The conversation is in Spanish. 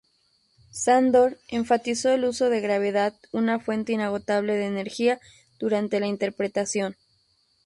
Sándor enfatizó el uso de gravedad, una fuente inagotable de energía, durante la interpretación.